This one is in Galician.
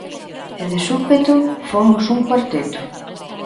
E de súpeto, fomos un cuarteto.